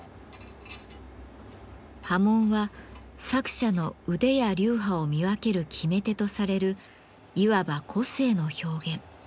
刃文は作者の腕や流派を見分ける決め手とされるいわば個性の表現。